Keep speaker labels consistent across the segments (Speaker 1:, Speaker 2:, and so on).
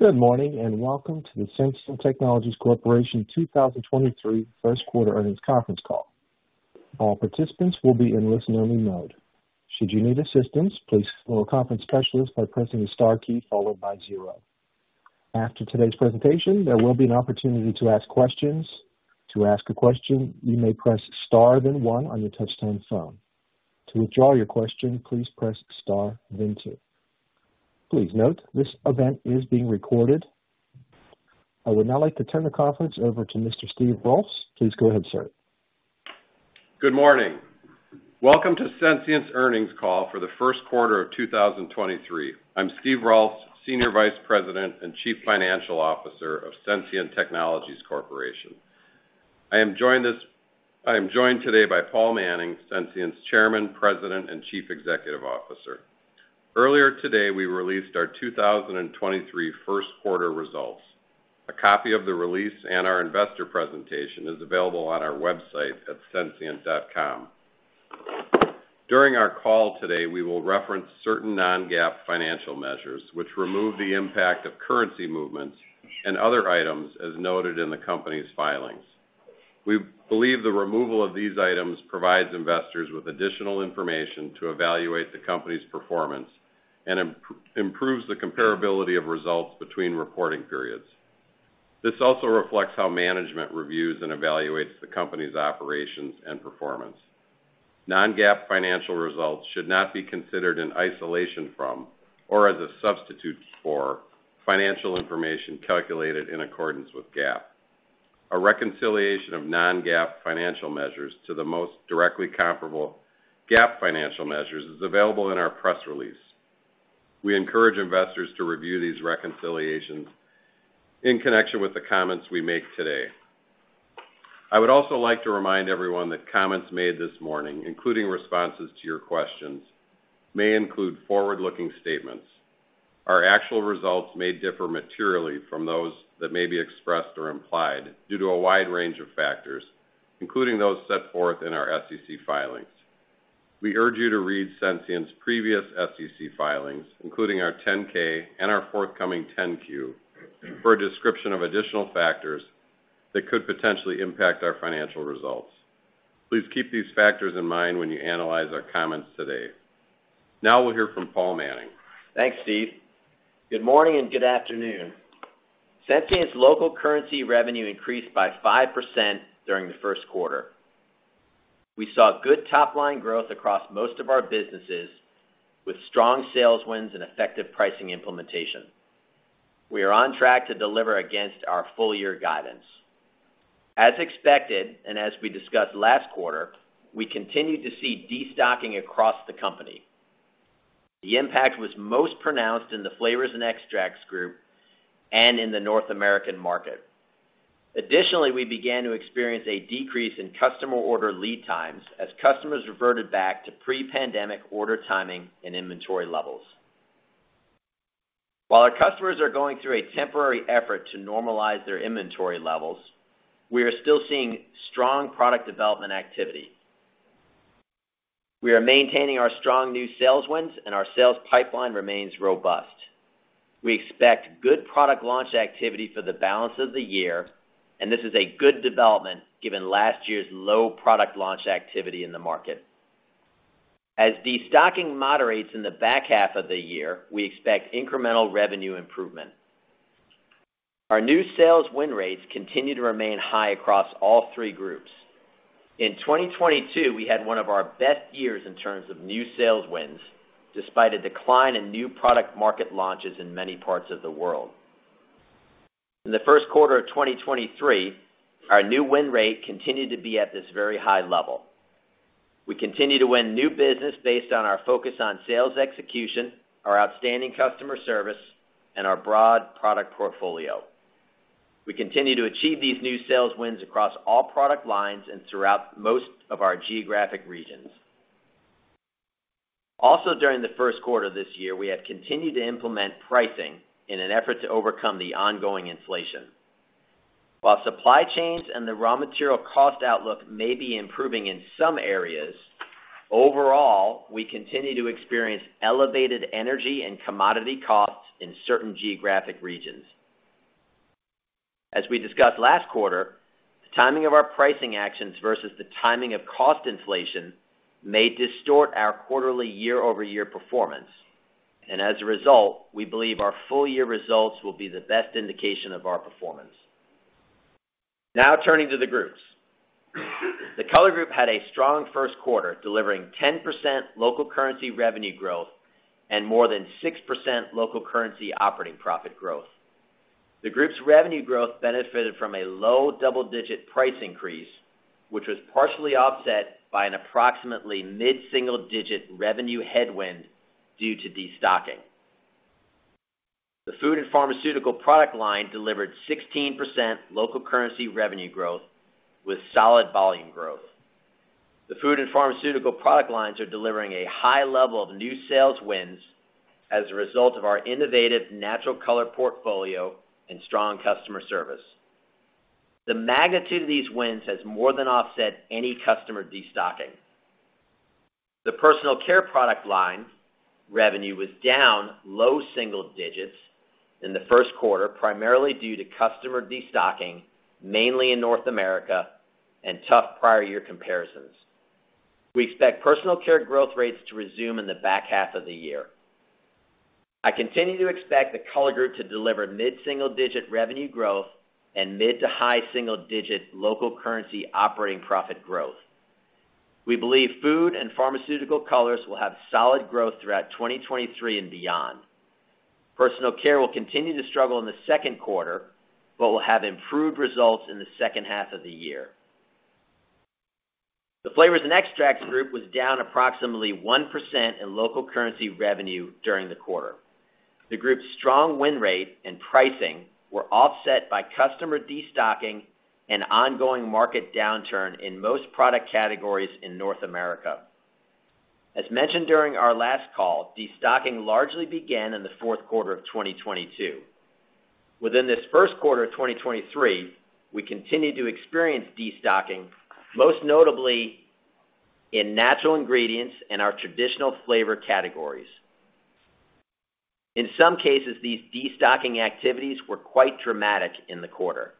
Speaker 1: Good morning, welcome to the Sensient Technologies Corporation 2023 first quarter earnings conference call. All participants will be in listen-only mode. Should you need assistance, please follow conference specialists by pressing the star key followed by 0. After today's presentation, there will be an opportunity to ask questions. To ask a question, you may press star then 1 on your touchtone phone. To withdraw your question, please press star then 2. Please note this event is being recorded. I would now like to turn the conference over to Mr. Steve Rolfs. Please go ahead, sir.
Speaker 2: Good morning. Welcome to Sensient's earnings call for the first quarter of 2023. I'm Steve Rolfs, Senior Vice President and Chief Financial Officer of Sensient Technologies Corporation. I am joined today by Paul Manning, Sensient's Chairman, President, and Chief Executive Officer. Earlier today, we released our 2023 first quarter results. A copy of the release and our investor presentation is available on our website at sensient.com. During our call today, we will reference certain non-GAAP financial measures which remove the impact of currency movements and other items as noted in the company's filings. We believe the removal of these items provides investors with additional information to evaluate the company's performance and improves the comparability of results between reporting periods. This also reflects how management reviews and evaluates the company's operations and performance. Non-GAAP financial results should not be considered in isolation from or as a substitute for financial information calculated in accordance with GAAP. A reconciliation of non-GAAP financial measures to the most directly comparable GAAP financial measures is available in our press release. We encourage investors to review these reconciliations in connection with the comments we make today. I would also like to remind everyone that comments made this morning, including responses to your questions, may include forward-looking statements. Our actual results may differ materially from those that may be expressed or implied due to a wide range of factors, including those set forth in our SEC filings. We urge you to read Sensient's previous SEC filings, including our 10-K and our forthcoming 10-Q, for a description of additional factors that could potentially impact our financial results. Please keep these factors in mind when you analyze our comments today. Now we'll hear from Paul Manning.
Speaker 3: Thanks, Steve. Good morning and good afternoon. Sensient's local currency revenue increased by 5% during the first quarter. We saw good top-line growth across most of our businesses with strong sales wins and effective pricing implementation. We are on track to deliver against our full-year guidance. As expected, and as we discussed last quarter, we continued to see destocking across the company. The impact was most pronounced in the Flavors & Extracts Group and in the North American market. Additionally, we began to experience a decrease in customer order lead times as customers reverted back to pre-pandemic order timing and inventory levels. While our customers are going through a temporary effort to normalize their inventory levels, we are still seeing strong product development activity. We are maintaining our strong new sales wins, and our sales pipeline remains robust. We expect good product launch activity for the balance of the year, and this is a good development given last year's low product launch activity in the market. As destocking moderates in the back half of the year, we expect incremental revenue improvement. Our new sales win rates continue to remain high across all three groups. In 2022, we had one of our best years in terms of new sales wins, despite a decline in new product market launches in many parts of the world. In the first quarter of 2023, our new win rate continued to be at this very high level. We continue to win new business based on our focus on sales execution, our outstanding customer service, and our broad product portfolio. We continue to achieve these new sales wins across all product lines and throughout most of our geographic regions. During the first quarter of this year, we have continued to implement pricing in an effort to overcome the ongoing inflation. While supply chains and the raw material cost outlook may be improving in some areas, overall, we continue to experience elevated energy and commodity costs in certain geographic regions. As we discussed last quarter, the timing of our pricing actions versus the timing of cost inflation may distort our quarterly year-over-year performance. As a result, we believe our full-year results will be the best indication of our performance. Turning to the groups. The Color Group had a strong first quarter, delivering 10% local currency revenue growth and more than 6% local currency operating profit growth. The group's revenue growth benefited from a low double-digit price increase, which was partially offset by an approximately mid-single-digit revenue headwind due to destocking. The food and pharmaceutical product line delivered 16% local currency revenue growth with solid volume growth. The food and pharmaceutical product lines are delivering a high level of new sales wins as a result of our innovative natural color portfolio and strong customer service. The magnitude of these wins has more than offset any customer destocking. The personal care product line revenue was down low single digits in the first quarter, primarily due to customer destocking, mainly in North America and tough prior year comparisons. We expect personal care growth rates to resume in the back half of the year. I continue to expect the Color Group to deliver mid-single-digit revenue growth and mid to high single-digit local currency operating profit growth. We believe food and pharmaceutical colors will have solid growth throughout 2023 and beyond. Personal care will continue to struggle in the second quarter, but will have improved results in the second half of the year. The Flavors & Extracts Group was down approximately 1% in local currency revenue during the quarter. The group's strong win rate and pricing were offset by customer destocking and ongoing market downturn in most product categories in North America. As mentioned during our last call, destocking largely began in the fourth quarter of 2022. Within this first quarter of 2023, we continued to experience destocking, most notably in natural ingredients and our traditional flavor categories. In some cases, these destocking activities were quite dramatic in the quarter.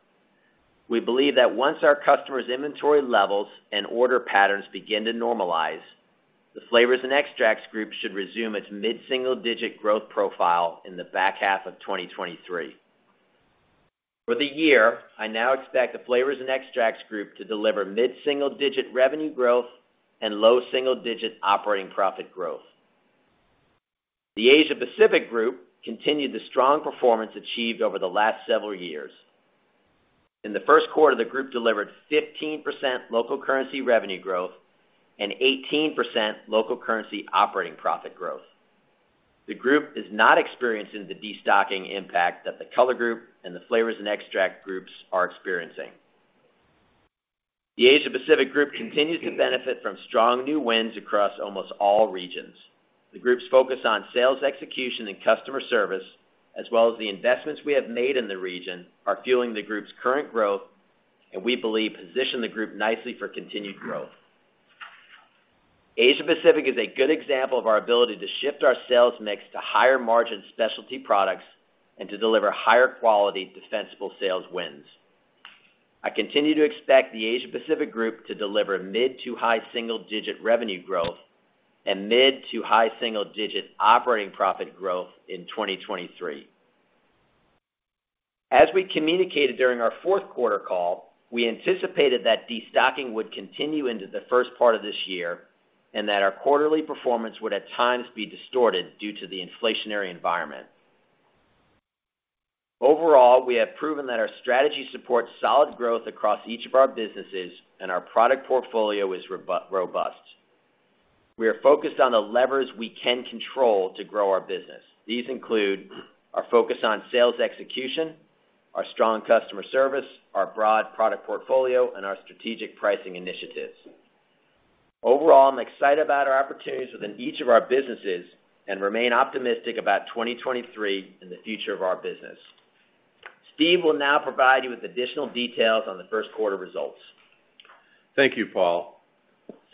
Speaker 3: We believe that once our customers' inventory levels and order patterns begin to normalize, the Flavors & Extracts Group should resume its mid-single-digit growth profile in the back half of 2023. For the year, I now expect the Flavors & Extracts Group to deliver mid-single-digit revenue growth and low single-digit operating profit growth. The Asia Pacific Group continued the strong performance achieved over the last several years. In the first quarter, the group delivered 15% local currency revenue growth and 18% local currency operating profit growth. The group is not experiencing the destocking impact that the Color Group and the Flavors & Extracts Groups are experiencing. The Asia Pacific Group continues to benefit from strong new wins across almost all regions. The group's focus on sales execution and customer service, as well as the investments we have made in the region, are fueling the group's current growth, and we believe position the group nicely for continued growth. Asia Pacific is a good example of our ability to shift our sales mix to higher margin specialty products and to deliver higher quality defensible sales wins. I continue to expect the Asia Pacific Group to deliver mid-to-high single-digit revenue growth and mid-to-high single-digit operating profit growth in 2023. As we communicated during our fourth quarter call, we anticipated that destocking would continue into the first part of this year, and that our quarterly performance would at times be distorted due to the inflationary environment. Overall, we have proven that our strategy supports solid growth across each of our businesses and our product portfolio is robust. We are focused on the levers we can control to grow our business. These include our focus on sales execution, our strong customer service, our broad product portfolio, and our strategic pricing initiatives. Overall, I'm excited about our opportunities within each of our businesses and remain optimistic about 2023 and the future of our business. Steve will now provide you with additional details on the first quarter results.
Speaker 2: Thank you, Paul.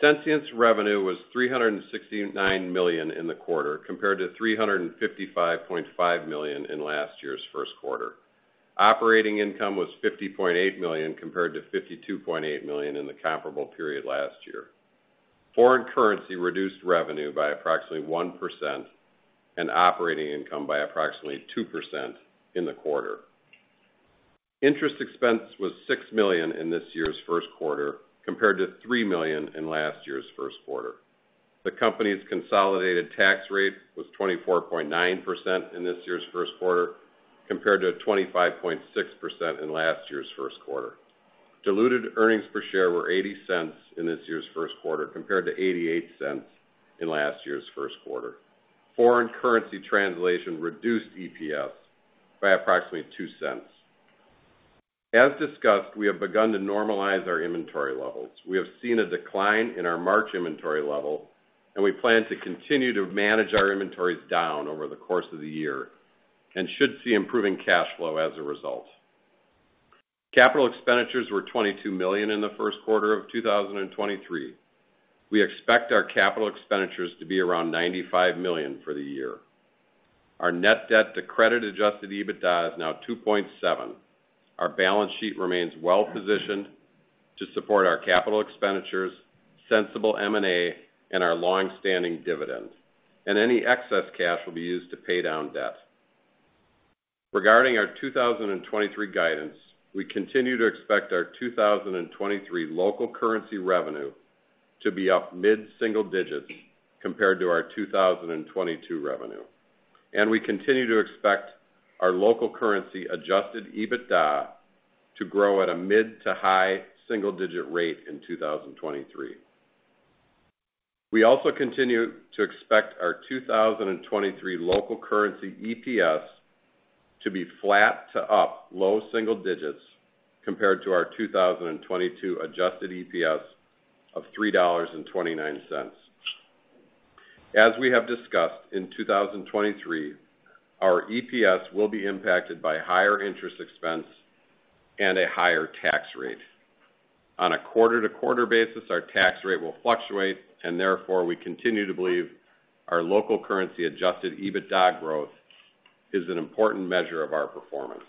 Speaker 2: Sensient's revenue was $369 million in the quarter compared to $355.5 million in last year's first quarter. Operating income was $50.8 million compared to $52.8 million in the comparable period last year. Foreign currency reduced revenue by approximately 1% and operating income by approximately 2% in the quarter. Interest expense was $6 million in this year's first quarter compared to $3 million in last year's first quarter. The company's consolidated tax rate was 24.9% in this year's first quarter compared to 25.6% in last year's first quarter. Diluted earnings per share were $0.80 in this year's first quarter compared to $0.88 in last year's first quarter. Foreign currency translation reduced EPS by approximately $0.02. As discussed, we have begun to normalize our inventory levels. We have seen a decline in our March inventory level, and we plan to continue to manage our inventories down over the course of the year and should see improving cash flow as a result. Capital expenditures were $22 million in the first quarter of 2023. We expect our capital expenditures to be around $95 million for the year. Our net debt to credit-adjusted EBITDA is now 2.7. Our balance sheet remains well-positioned to support our capital expenditures, sensible M&A, and our long-standing dividends, and any excess cash will be used to pay down debt. Regarding our 2023 guidance, we continue to expect our 2023 local currency revenue to be up mid-single digits compared to our 2022 revenue. We continue to expect our local currency adjusted EBITDA to grow at a mid-to-high single-digit rate in 2023. We also continue to expect our 2023 local currency EPS to be flat to up low single digits compared to our 2022 adjusted EPS of $3.29. As we have discussed, in 2023, our EPS will be impacted by higher interest expense and a higher tax rate. On a quarter-to-quarter basis, our tax rate will fluctuate, and therefore, we continue to believe our local currency adjusted EBITDA growth is an important measure of our performance.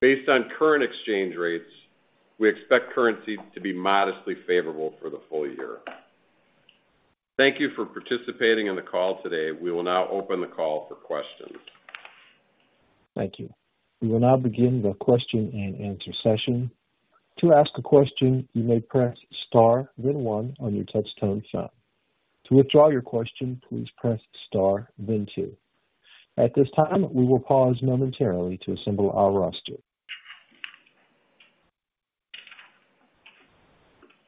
Speaker 2: Based on current exchange rates, we expect currency to be modestly favorable for the full year. Thank you for participating in the call today. We will now open the call for questions.
Speaker 1: Thank you. We will now begin the question and answer session. To ask a question, you may press star then 1 on your touch tone phone. To withdraw your question, please press star then 2. At this time, we will pause momentarily to assemble our roster.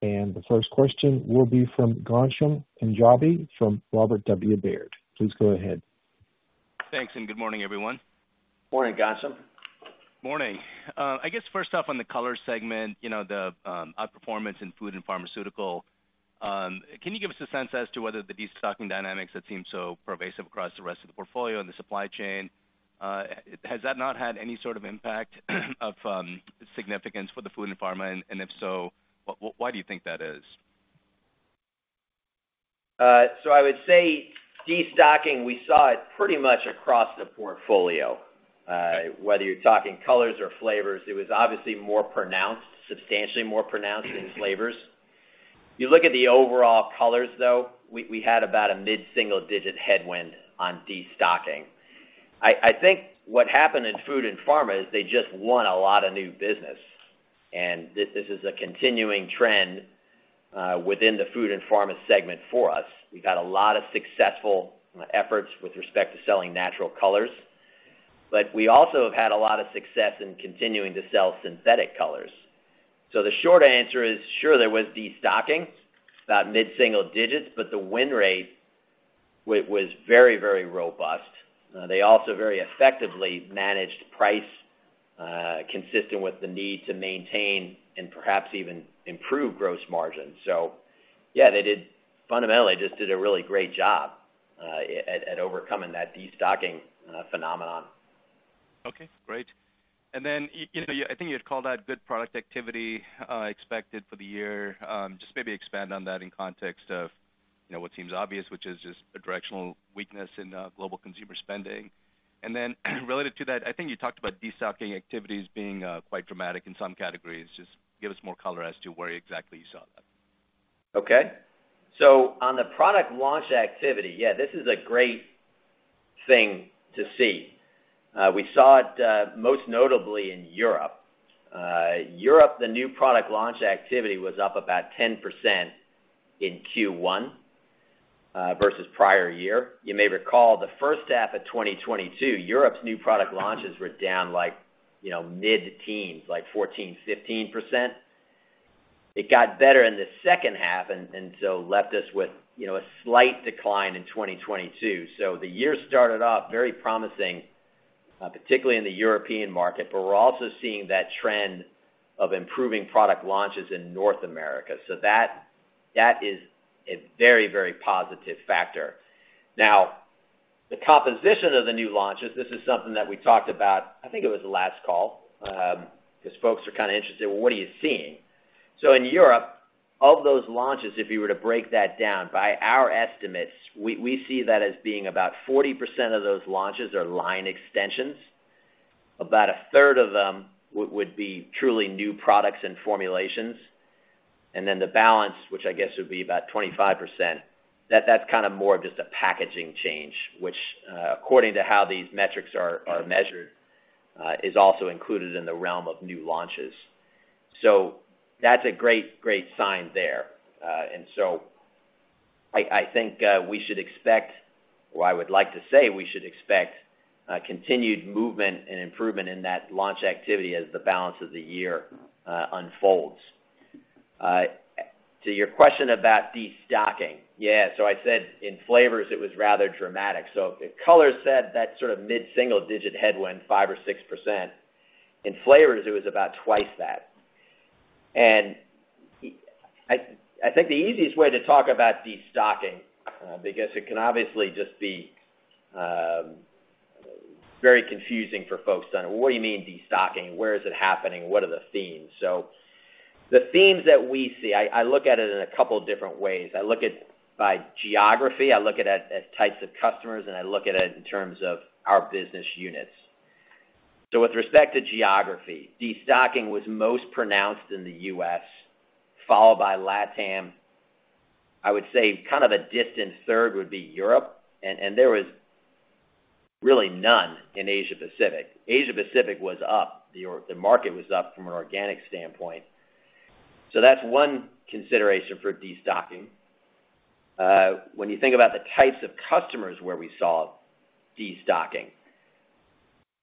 Speaker 1: The first question will be from Ghansham Panjabi from Robert W. Baird. Please go ahead.
Speaker 4: Thanks, good morning, everyone.
Speaker 3: Morning, Ghansham.
Speaker 4: Morning. I guess first off, on the Color Group segment, you know, the outperformance in food and pharmaceutical, can you give us a sense as to whether the destocking dynamics that seem so pervasive across the rest of the portfolio and the supply chain, has that not had any sort of impact of significance for the food and pharma? If so, why do you think that is?
Speaker 3: I would say destocking, we saw it pretty much across the portfolio. Whether you're talking colors or flavors, it was obviously more pronounced, substantially more pronounced in flavors. You look at the overall colors, though, we had about a mid-single digit headwind on destocking. I think what happened in food and pharma is they just won a lot of new business, and this is a continuing trend within the food and pharma segment for us. We've had a lot of successful efforts with respect to selling natural colors, but we also have had a lot of success in continuing to sell synthetic colors. The short answer is, sure, there was destocking, about mid-single digits, but the win rate was very robust. They also very effectively managed price consistent with the need to maintain and perhaps even improve gross margin. Yeah, fundamentally just did a really great job at overcoming that destocking phenomenon.
Speaker 4: Okay, great. You know, I think you'd call that good product activity, expected for the year. Just maybe expand on that in context of, you know, what seems obvious, which is just a directional weakness in global consumer spending. Related to that, I think you talked about destocking activities being quite dramatic in some categories. Just give us more color as to where exactly you saw that.
Speaker 3: On the product launch activity, this is a great thing to see. We saw it most notably in Europe. Europe, the new product launch activity was up about 10% in Q1 versus prior year. You may recall the first half of 2022, Europe's new product launches were down like, you know, mid-teens, like 14%, 15%. It got better in the second half left us with, you know, a slight decline in 2022. The year started off very promising, particularly in the European market, but we're also seeing that trend of improving product launches in North America. That is a very, very positive factor. The composition of the new launches, this is something that we talked about, I think it was the last call, 'cause folks are kind of interested, "Well, what are you seeing?" In Europe, of those launches, if you were to break that down, by our estimates, we see that as being about 40% of those launches are line extensions. About a third of them would be truly new products and formulations. The balance, which I guess would be about 25%, that's kind of more just a packaging change, which, according to how these metrics are measured, is also included in the realm of new launches. That's a great sign there. I think we should expect, or I would like to say we should expect, continued movement and improvement in that launch activity as the balance of the year unfolds. To your question about destocking. Yeah, I said in flavors it was rather dramatic. If colors said that's sort of mid-single digit headwind, 5% or 6%. In flavors, it was about twice that. I think the easiest way to talk about destocking, because it can obviously just be very confusing for folks on, what do you mean destocking? Where is it happening? What are the themes? The themes that we see, I look at it in a couple different ways. I look at by geography, I look at types of customers, and I look at it in terms of our business units. With respect to geography, destocking was most pronounced in the U.S., followed by LATAM. I would say kind of a distant third would be Europe, and there was really none in Asia-Pacific. Asia-Pacific was up. The market was up from an organic standpoint. That's one consideration for destocking. When you think about the types of customers where we saw destocking.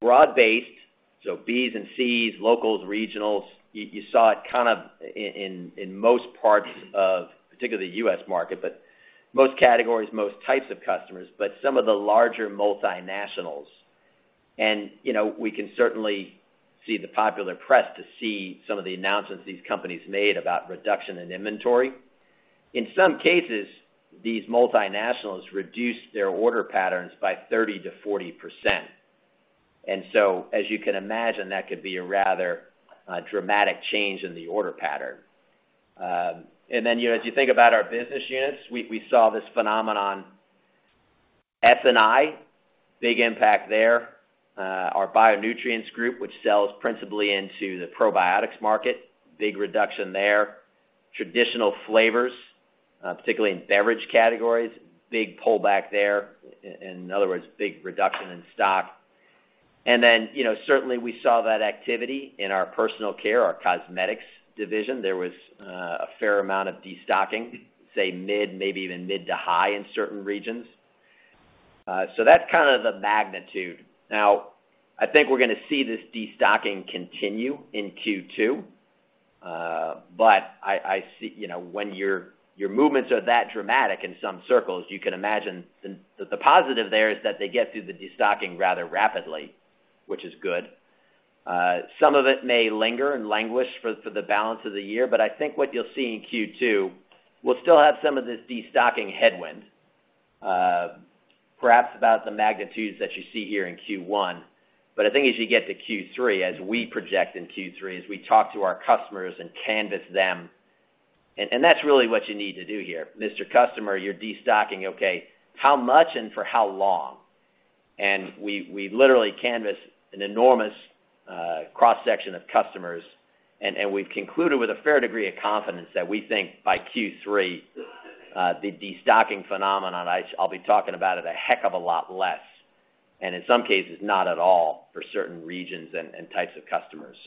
Speaker 3: Broad-based, so Bs and Cs, locals, regionals, you saw it kind of in most parts of particularly the U.S. market, but most categories, most types of customers. Some of the larger multinationals. You know, we can certainly see the popular press to see some of the announcements these companies made about reduction in inventory. In some cases, these multinationals reduced their order patterns by 30%-40%. As you can imagine, that could be a rather dramatic change in the order pattern. You know, as you think about our business units, we saw this phenomenon F&E, big impact there. Our BioNutrients Group, which sells principally into the probiotics market, big reduction there. Traditional flavors, particularly in beverage categories, big pullback there. In other words, big reduction in stock. You know, certainly we saw that activity in our personal care, our cosmetics division. There was a fair amount of destocking, say mid, maybe even mid to high in certain regions. So that's kind of the magnitude. I think we're gonna see this destocking continue in Q2. I see... You know, when your movements are that dramatic in some circles, you can imagine then that the positive there is that they get through the destocking rather rapidly, which is good. Some of it may linger and languish for the balance of the year, I think what you'll see in Q2, we'll still have some of this destocking headwind, perhaps about the magnitudes that you see here in Q1. I think as you get to Q3, as we project in Q3, as we talk to our customers and canvas them. That's really what you need to do here. Mr. Customer, you're destocking. Okay, how much and for how long? We literally canvassed an enormous cross-section of customers, and we've concluded with a fair degree of confidence that we think by Q3, the destocking phenomenon, I'll be talking about it a heck of a lot less, and in some cases, not at all for certain regions and types of customers.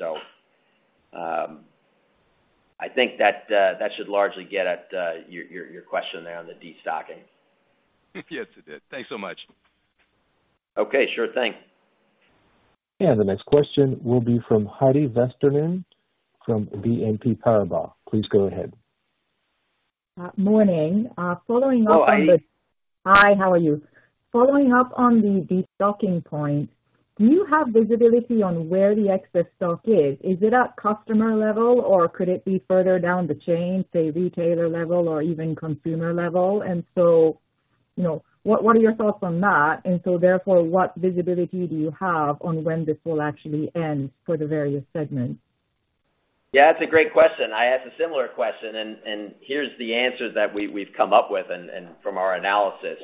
Speaker 3: I think that should largely get at your question there on the destocking.
Speaker 4: Yes, it did. Thanks so much.
Speaker 3: Okay. Sure thing.
Speaker 1: The next question will be from Heidi Vesterinen from BNP Paribas. Please go ahead.
Speaker 5: Morning. Following up on.
Speaker 3: Hello, Heidi.
Speaker 5: Hi. How are you? Following up on the destocking point, do you have visibility on where the excess stock is? Is it at customer level, or could it be further down the chain, say, retailer level or even consumer level? You know, what are your thoughts on that? Therefore, what visibility do you have on when this will actually end for the various segments?
Speaker 3: Yeah, that's a great question. I asked a similar question, and here's the answer that we've come up with and from our analysis.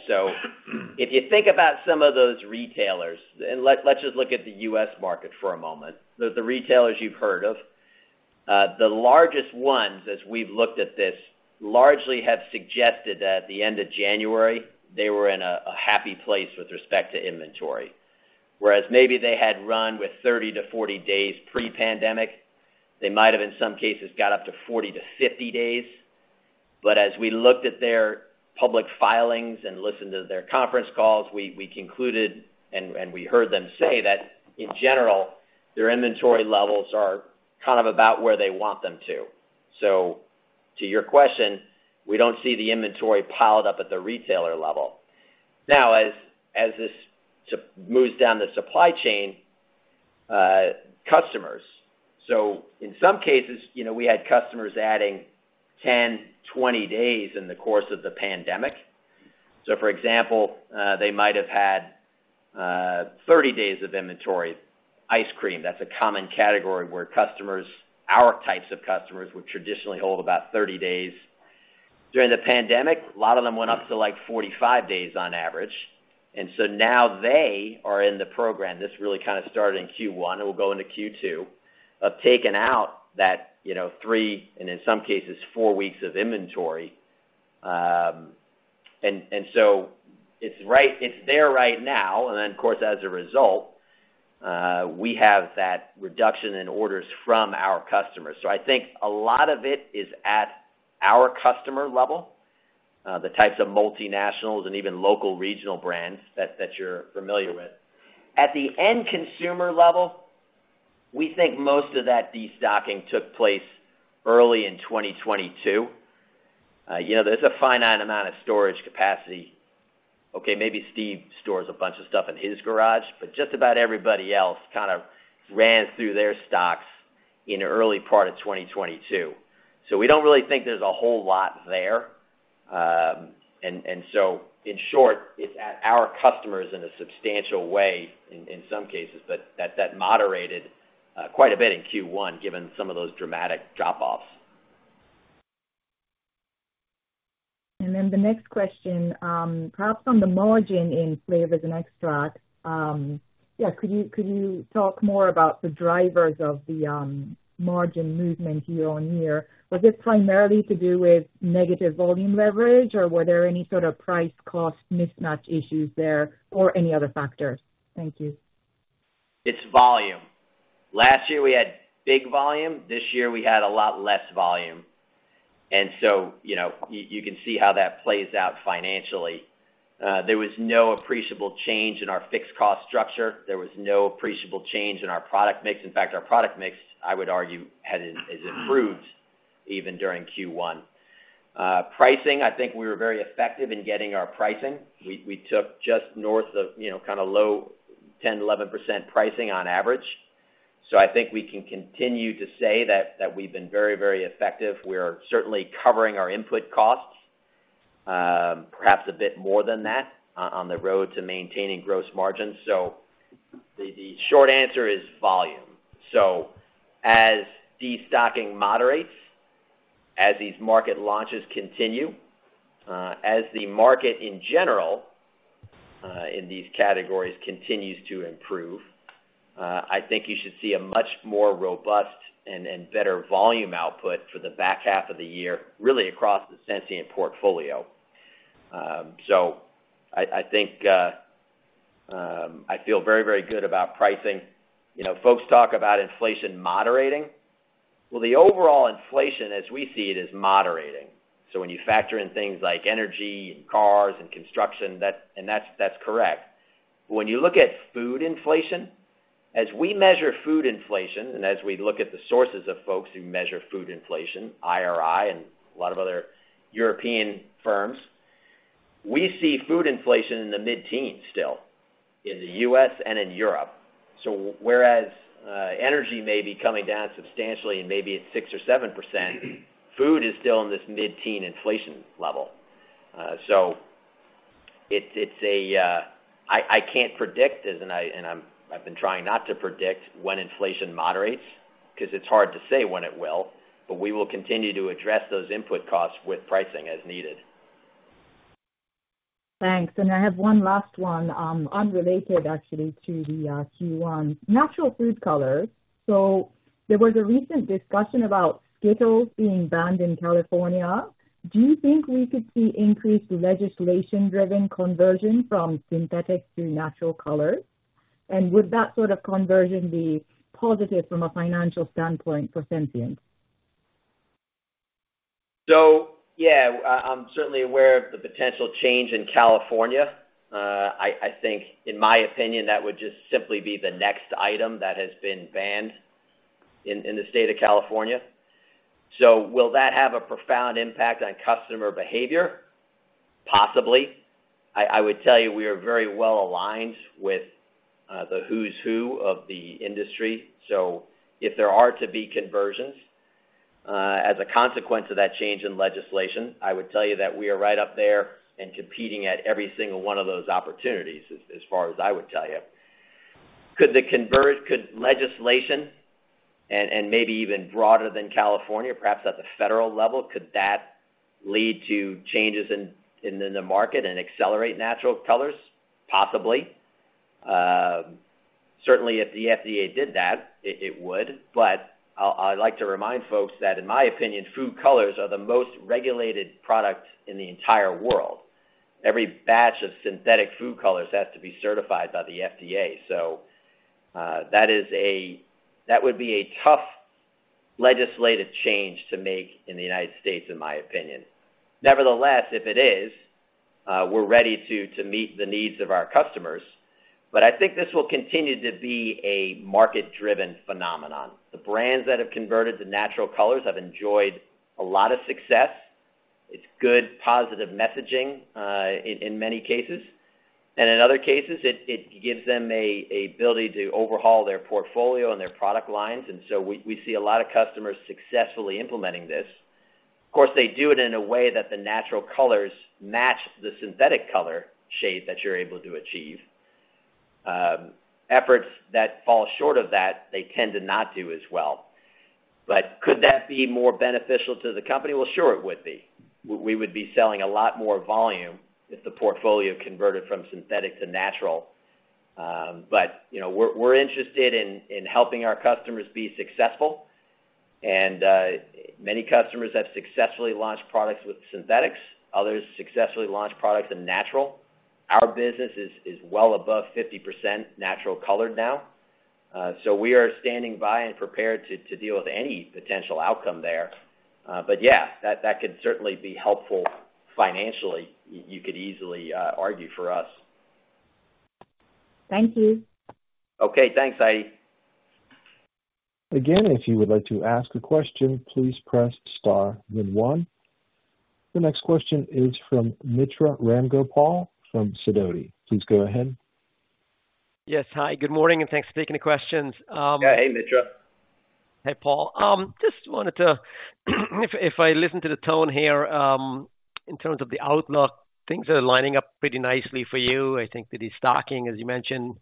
Speaker 3: If you think about some of those retailers, and let's just look at the U.S. market for a moment. The retailers you've heard of, the largest ones, as we've looked at this, largely have suggested that at the end of January, they were in a happy place with respect to inventory. Whereas maybe they had run with 30-40 days pre-pandemic, they might have, in some cases, got up to 40-50 days. As we looked at their public filings and listened to their conference calls, we concluded and we heard them say that in general, their inventory levels are kind of about where they want them to. To your question, we don't see the inventory piled up at the retailer level. Now, as this moves down the supply chain, customers. In some cases, you know, we had customers adding 10, 20 days in the course of the pandemic. For example, they might have had 30 days of inventory. Ice cream, that's a common category where customers, our types of customers, would traditionally hold about 30 days. During the pandemic, a lot of them went up to, like, 45 days on average. Now they are in the program. This really kind of started in Q1 and will go into Q2, of taking out that, you know, 3, and in some cases, 4 weeks of inventory. It's there right now. Of course, as a result, we have that reduction in orders from our customers. I think a lot of it is at our customer level, the types of multinationals and even local regional brands that you’re familiar with. At the end consumer level, we think most of that destocking took place early in 2022. You know, there’s a finite amount of storage capacity. Okay, maybe Steve stores a bunch of stuff in his garage, but just about everybody else kind of ran through their stocks in the early part of 2022. We don’t really think there’s a whole lot there. In short, it’s at our customers in a substantial way in some cases, but that moderated quite a bit in Q1, given some of those dramatic drop-offs.
Speaker 5: The next question, perhaps on the margin in flavors and extracts. Could you talk more about the drivers of the margin movement year-over-year? Was this primarily to do with negative volume leverage, or were there any sort of price cost mismatch issues there or any other factors? Thank you.
Speaker 3: It's volume. Last year we had big volume. This year we had a lot less volume. You know, you can see how that plays out financially. There was no appreciable change in our fixed cost structure. There was no appreciable change in our product mix. In fact, our product mix, I would argue, has improved even during Q1. Pricing, I think we were very effective in getting our pricing. We took just north of, you know, kind of low 10%-11% pricing on average. I think we can continue to say that we've been very, very effective. We're certainly covering our input costs, perhaps a bit more than that on the road to maintaining gross margins. The short answer is volume. As destocking moderates, as these market launches continue, as the market in general, in these categories continues to improve, I think you should see a much more robust and better volume output for the back half of the year, really across the Sensient portfolio. I think I feel very, very good about pricing. You know, folks talk about inflation moderating. The overall inflation as we see it, is moderating. When you factor in things like energy and cars and construction, that and that's correct. When you look at food inflation, as we measure food inflation, and as we look at the sources of folks who measure food inflation, IRI and a lot of other European firms, we see food inflation in the mid-teens still, in the U.S. and in Europe. Whereas, energy may be coming down substantially and maybe it's 6% or 7%, food is still in this mid-teen inflation level. I can't predict, and I'm, I've been trying not to predict when inflation moderates, 'cause it's hard to say when it will, but we will continue to address those input costs with pricing as needed.
Speaker 5: Thanks. I have one last one, unrelated actually to the Q1. Natural food colors. There was a recent discussion about Skittles being banned in California. Do you think we could see increased legislation-driven conversion from synthetic to natural colors? Would that sort of conversion be positive from a financial standpoint for Sensient?
Speaker 3: Yeah, I'm certainly aware of the potential change in California. I think in my opinion, that would just simply be the next item that has been banned in the state of California. Will that have a profound impact on customer behavior? Possibly. I would tell you we are very well aligned with the who's who of the industry. If there are to be conversions, as a consequence of that change in legislation, I would tell you that we are right up there and competing at every single one of those opportunities, as far as I would tell you. Could legislation and maybe even broader than California, perhaps at the federal level, could that lead to changes in the market and accelerate natural colors? Possibly. Certainly if the FDA did that, it would. I like to remind folks that in my opinion, food colors are the most regulated product in the entire world. Every batch of synthetic food colors has to be certified by the FDA. That would be a tough legislative change to make in the United States, in my opinion. Nevertheless, if it is, we're ready to meet the needs of our customers. I think this will continue to be a market-driven phenomenon. The brands that have converted to natural colors have enjoyed a lot of success. It's good, positive messaging, in many cases. In other cases, it gives them ability to overhaul their portfolio and their product lines. We see a lot of customers successfully implementing this. Of course, they do it in a way that the natural colors match the synthetic color shade that you're able to achieve. Efforts that fall short of that, they tend to not do as well. Could that be more beneficial to the company? Well, sure, it would be. We would be selling a lot more volume if the portfolio converted from synthetic to natural. You know, we're interested in helping our customers be successful. Many customers have successfully launched products with synthetics, others successfully launched products in natural. Our business is well above 50% natural colored now. We are standing by and prepared to deal with any potential outcome there. Yeah, that could certainly be helpful financially, you could easily argue for us.
Speaker 5: Thank you.
Speaker 3: Okay, thanks, Heidi.
Speaker 1: If you would like to ask a question, please press star then one. The next question is from Mitra Ramgopal from Sidoti. Please go ahead.
Speaker 6: Yes. Hi, good morning, and thanks for taking the questions.
Speaker 3: Yeah. Hey, Mitra.
Speaker 6: Hey, Paul. If I listen to the tone here, in terms of the outlook, things are lining up pretty nicely for you. I think the destocking, as you mentioned,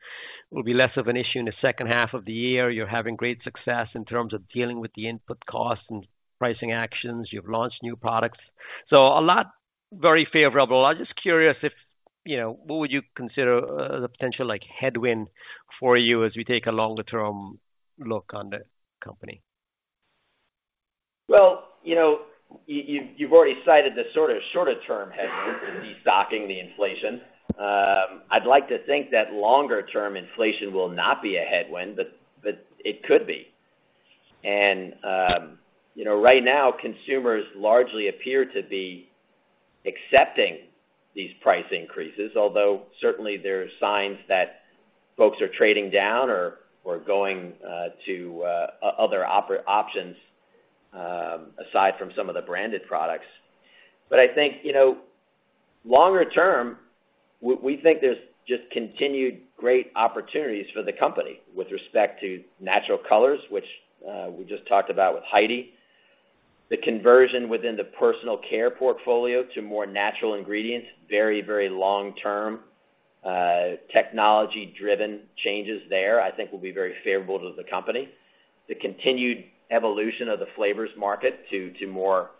Speaker 6: will be less of an issue in the second half of the year. You're having great success in terms of dealing with the input costs and pricing actions. You've launched new products. A lot very favorable. I'm just curious if, you know, what would you consider the potential like headwind for you as we take a longer term look on the company?
Speaker 3: Well, you know, you've already cited the sort of shorter term headwind, destocking the inflation. I'd like to think that longer term inflation will not be a headwind, but it could be. You know, right now, consumers largely appear to be accepting these price increases, although certainly there are signs that folks are trading down or going to other options, aside from some of the branded products. I think, you know, longer term, we think there's just continued great opportunities for the company with respect to natural colors, which we just talked about with Heidi. The conversion within the personal care portfolio to more natural ingredients, very long-term, technology driven changes there, I think will be very favorable to the company. The continued evolution of the flavors market to more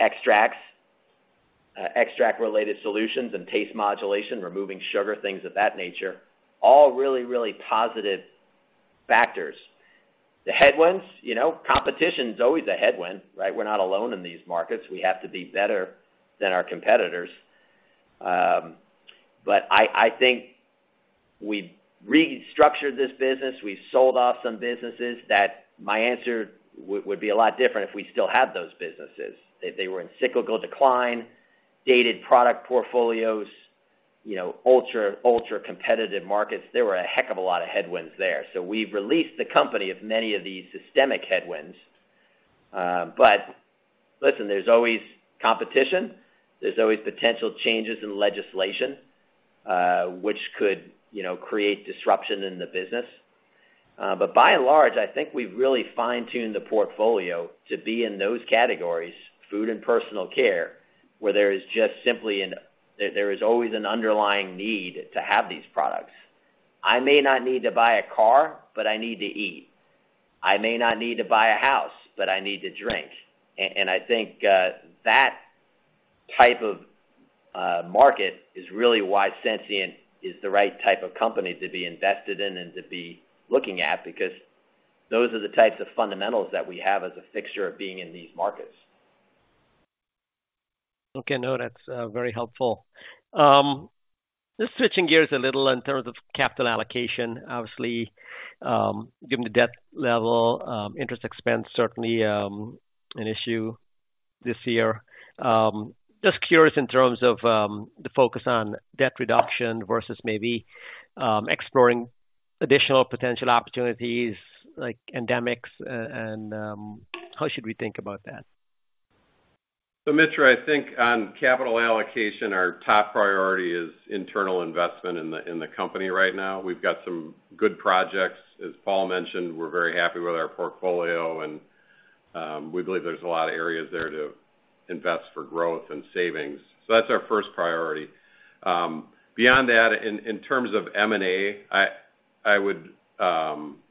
Speaker 3: extracts, extract related solutions and taste modulation, removing sugar, things of that nature, all really positive factors. The headwinds, you know, competition's always a headwind, right? We're not alone in these markets. We have to be better than our competitors. I think we restructured this business. We sold off some businesses that my answer would be a lot different if we still had those businesses. They were in cyclical decline, dated product portfolios, you know, ultra-competitive markets. There were a heck of a lot of headwinds there. We've released the company of many of these systemic headwinds. Listen, there's always competition. There's always potential changes in legislation, which could, you know, create disruption in the business. By and large, I think we've really fine-tuned the portfolio to be in those categories, food and personal care, where there is just simply There is always an underlying need to have these products. I may not need to buy a car, but I need to eat. I may not need to buy a house, but I need to drink. I think that type of market is really why Sensient is the right type of company to be invested in and to be looking at, because those are the types of fundamentals that we have as a fixture of being in these markets.
Speaker 6: Okay. No, that's very helpful. Just switching gears a little in terms of capital allocation. Obviously, given the debt level, interest expense certainly an issue this year. Just curious in terms of the focus on debt reduction versus maybe exploring additional potential opportunities like inorganics and, how should we think about that?
Speaker 2: Mitra, I think on capital allocation, our top priority is internal investment in the company right now. We've got some good projects. As Paul mentioned, we're very happy with our portfolio and we believe there's a lot of areas there to invest for growth and savings. That's our first priority. Beyond that, in terms of M&A, I would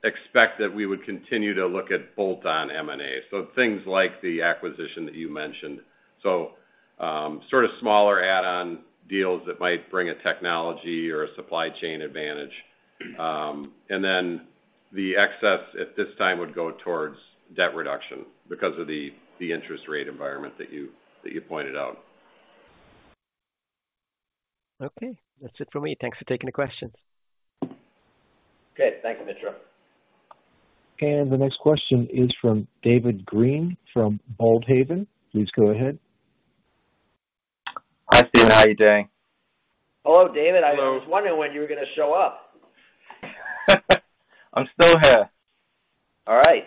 Speaker 2: expect that we would continue to look at bolt-on M&A. Things like the acquisition that you mentioned. Sort of smaller add-on deals that might bring a technology or a supply chain advantage. The excess at this time would go towards debt reduction because of the interest rate environment that you pointed out.
Speaker 6: Okay. That's it for me. Thanks for taking the questions.
Speaker 3: Okay. Thanks, Mitra.
Speaker 1: The next question is from David Green from Boldhaven. Please go ahead.
Speaker 7: Hi, Steven. How are you doing?
Speaker 3: Hello, David. I was wondering when you were gonna show up.
Speaker 7: I'm still here.
Speaker 3: All right.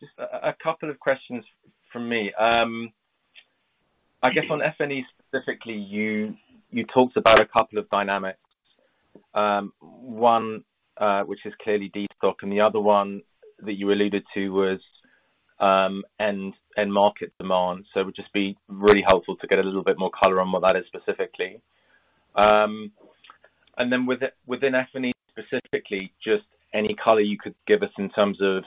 Speaker 7: Just 2 questions from me. I guess on FNE specifically, you talked about 2 dynamics. 1 which is clearly destock, and the other one that you alluded to was end market demand. It would just be really helpful to get a little bit more color on what that is specifically. Within FNE specifically, just any color you could give us in terms of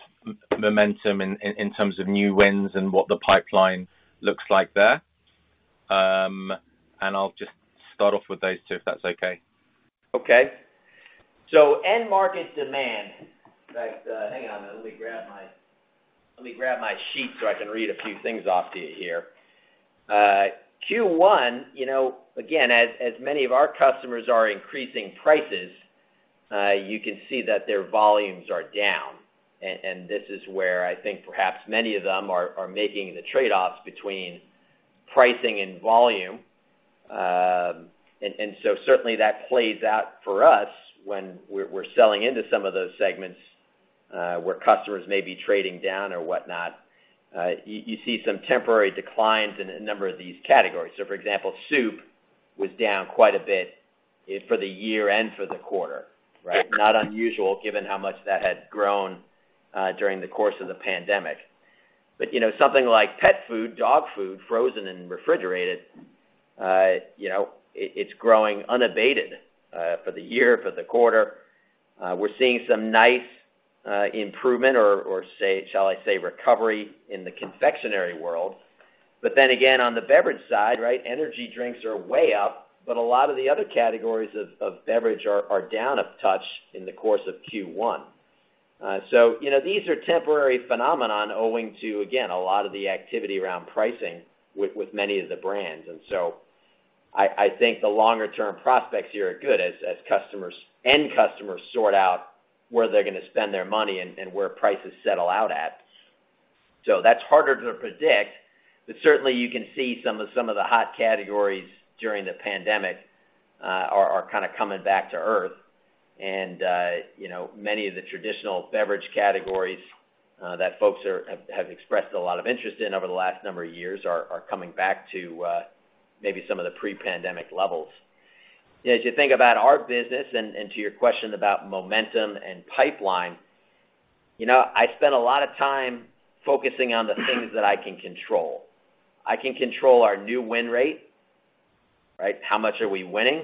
Speaker 7: momentum in terms of new wins and what the pipeline looks like there. I'll just start off with those 2, if that's okay.
Speaker 3: End market demand. In fact, hang on. Let me grab my sheet so I can read a few things off to you here. Q1, you know, again, as many of our customers are increasing prices, you can see that their volumes are down. This is where I think perhaps many of them are making the trade-offs between pricing and volume. Certainly that plays out for us when we're selling into some of those segments, where customers may be trading down or whatnot. You see some temporary declines in a number of these categories. For example, soup was down quite a bit for the year and for the quarter, right? Not unusual given how much that had grown during the course of the pandemic. You know, something like pet food, dog food, frozen and refrigerated, you know, it's growing unabated for the year, for the quarter. We're seeing some nice improvement or say, shall I say, recovery in the confectionary world. On the beverage side, right, energy drinks are way up, but a lot of the other categories of beverage are down a touch in the course of Q1. You know, these are temporary phenomenon owing to, again, a lot of the activity around pricing with many of the brands. I think the longer term prospects here are good as end customers sort out where they're gonna spend their money and where prices settle out at. That's harder to predict, but certainly you can see some of the hot categories during the pandemic, are kinda coming back to earth. You know, many of the traditional beverage categories that folks have expressed a lot of interest in over the last number of years are coming back to maybe some of the pre-pandemic levels. As you think about our business and to your question about momentum and pipeline, you know, I spend a lot of time focusing on the things that I can control. I can control our new win rate, right? How much are we winning?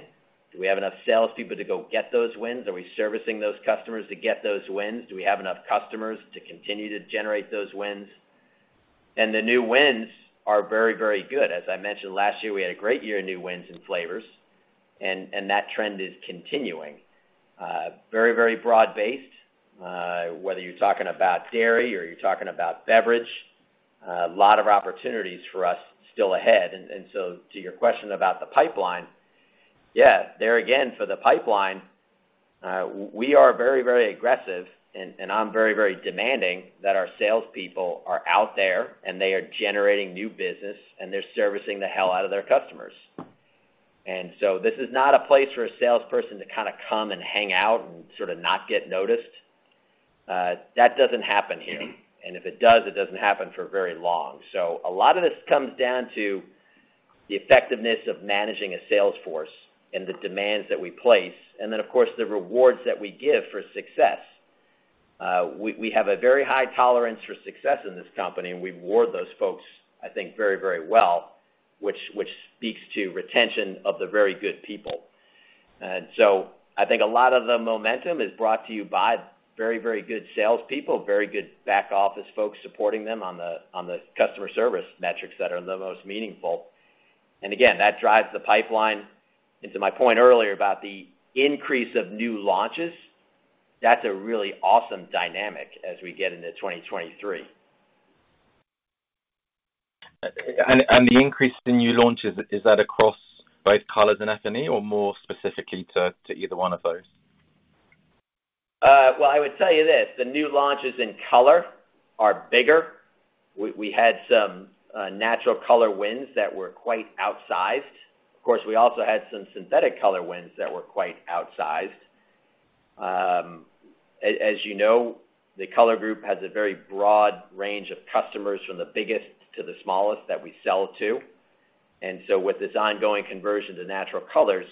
Speaker 3: Do we have enough sales people to go get those wins? Are we servicing those customers to get those wins? Do we have enough customers to continue to generate those wins? The new wins are very good. As I mentioned last year, we had a great year of new wins in flavors. That trend is continuing. Very broad-based, whether you're talking about dairy or you're talking about beverage, a lot of opportunities for us still ahead. So to your question about the pipeline, yeah, there again, for the pipeline, we are very aggressive, and I'm very demanding that our salespeople are out there, and they are generating new business, and they're servicing the hell out of their customers. This is not a place for a salesperson to kinda come and hang out and sort of not get noticed. That doesn't happen here. If it does, it doesn't happen for very long. A lot of this comes down to the effectiveness of managing a sales force and the demands that we place, and then, of course, the rewards that we give for success. We have a very high tolerance for success in this company, and we reward those folks, I think very, very well, which speaks to retention of the very good people. I think a lot of the momentum is brought to you by very, very good salespeople, very good back office folks supporting them on the, on the customer service metrics that are the most meaningful. Again, that drives the pipeline. To my point earlier about the increase of new launches, that's a really awesome dynamic as we get into 2023.
Speaker 7: The increase in new launches, is that across both Colors and F&E or more specifically to either one of those?
Speaker 3: Well, I would tell you this, the new launches in Color Group are bigger. We had some natural color wins that were quite outsized. Of course, we also had some synthetic color wins that were quite outsized. As you know, the Color Group has a very broad range of customers from the biggest to the smallest that we sell to. With this ongoing conversion to natural colors,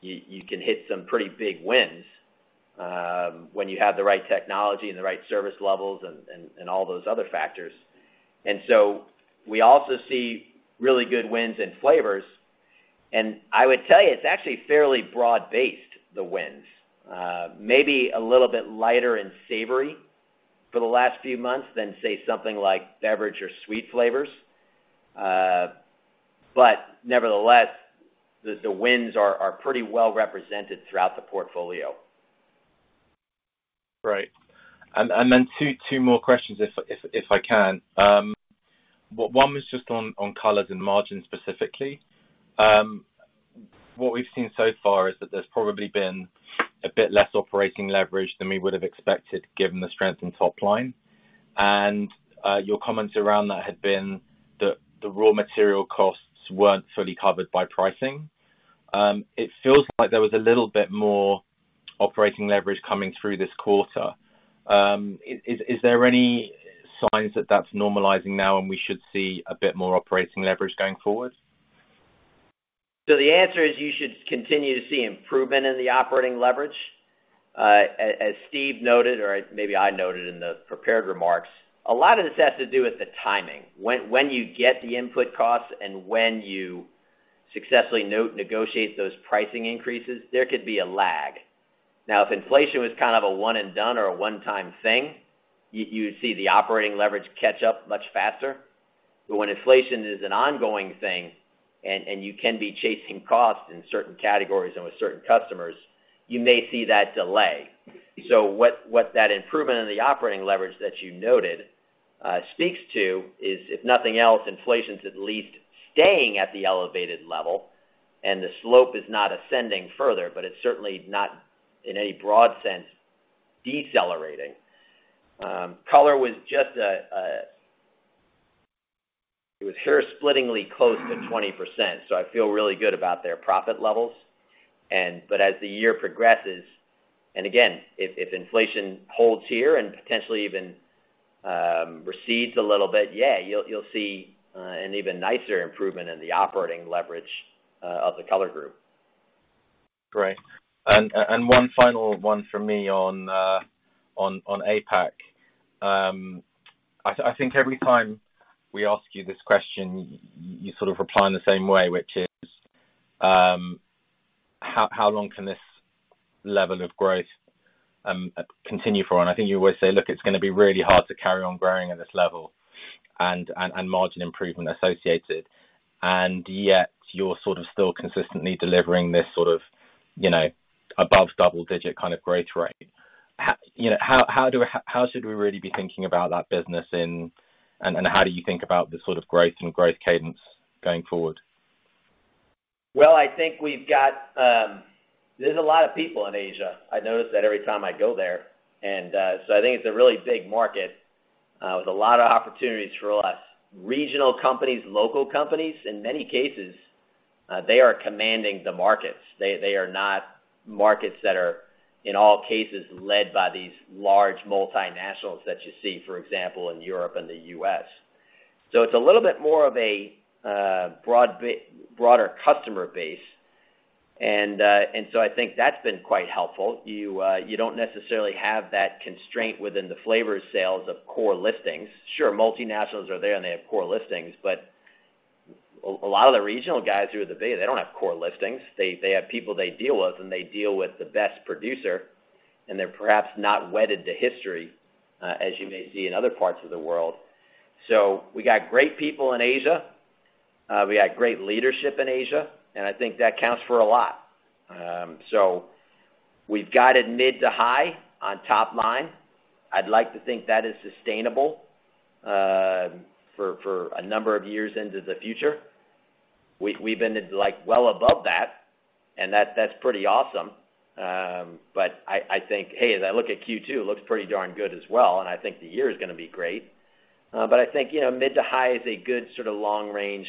Speaker 3: you can hit some pretty big wins when you have the right technology and the right service levels and all those other factors. We also see really good wins in flavors. I would tell you, it's actually fairly broad-based, the wins. Maybe a little bit lighter and savory for the last few months than, say, something like beverage or sweet flavors. Nevertheless, the wins are pretty well represented throughout the portfolio.
Speaker 7: Right. And then two more questions if I can. One was just on colors and margins specifically. What we've seen so far is that there's probably been a bit less operating leverage than we would have expected given the strength in top line. Your comments around that had been the raw material costs weren't fully covered by pricing. It feels like there was a little bit more operating leverage coming through this quarter. Is there any signs that that's normalizing now and we should see a bit more operating leverage going forward?
Speaker 3: The answer is you should continue to see improvement in the operating leverage. As Steve noted, or maybe I noted in the prepared remarks, a lot of this has to do with the timing. When you get the input costs and when you successfully negotiate those pricing increases, there could be a lag. Now, if inflation was kind of a one and done or a one-time thing, you would see the operating leverage catch up much faster. When inflation is an ongoing thing and you can be chasing costs in certain categories and with certain customers, you may see that delay. What that improvement in the operating leverage that you noted speaks to is, if nothing else, inflation's at least staying at the elevated level and the slope is not ascending further, but it's certainly not in any broad sense decelerating. Color was just hair-splittingly close to 20%. I feel really good about their profit levels. As the year progresses, and again, if inflation holds here and potentially even recedes a little bit, you'll see an even nicer improvement in the operating leverage of the Color Group.
Speaker 7: Great. One final one for me on APAC. I think every time we ask you this question, you sort of reply in the same way, which is, how long can this level of growth continue for? I think you always say, "Look, it's gonna be really hard to carry on growing at this level and margin improvement associated." Yet you're sort of still consistently delivering this sort of. You know, above double-digit kind of growth rate. How should we really be thinking about that business and how do you think about the sort of growth and growth cadence going forward?
Speaker 3: Well, I think we've got, there's a lot of people in Asia. I notice that every time I go there. I think it's a really big market with a lot of opportunities for us. Regional companies, local companies, in many cases, they are commanding the markets. They are not markets that are, in all cases, led by these large multinationals that you see, for example, in Europe and the U.S. It's a little bit more of a broader customer base. I think that's been quite helpful. You don't necessarily have that constraint within the flavor sales of core listings. Sure, multinationals are there, and they have core listings, but a lot of the regional guys who are the bay, they don't have core listings. They have people they deal with, and they deal with the best producer, and they're perhaps not wedded to history, as you may see in other parts of the world. We got great people in Asia. We got great leadership in Asia, and I think that counts for a lot. We've got it mid to high on top line. I'd like to think that is sustainable, for a number of years into the future. We've been into like well above that, and that's pretty awesome. I think, hey, as I look at Q2, it looks pretty darn good as well, and I think the year is gonna be great. I think, you know, mid to high is a good sort of long range,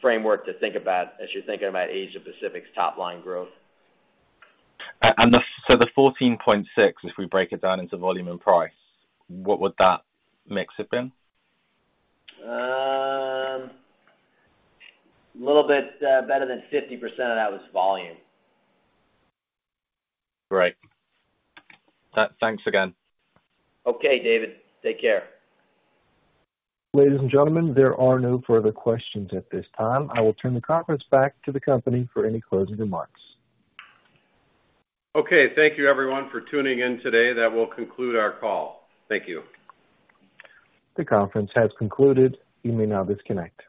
Speaker 3: framework to think about as you're thinking about Asia Pacific's top line growth.
Speaker 7: The 14.6, if we break it down into volume and price, what would that mix have been?
Speaker 3: little bit, better than 50% of that was volume.
Speaker 8: Great. Thanks again.
Speaker 3: Okay, David. Take care.
Speaker 1: Ladies and gentlemen, there are no further questions at this time. I will turn the conference back to the company for any closing remarks.
Speaker 3: Okay. Thank you everyone for tuning in today. That will conclude our call. Thank you.
Speaker 1: The conference has concluded. You may now disconnect.